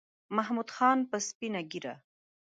محمود خان په سپینه ګیره